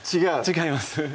違います